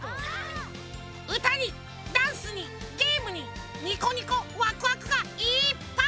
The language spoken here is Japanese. うたにダンスにゲームにニコニコワクワクがいっぱい！